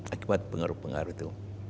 akibat pengaruh pengaruh itu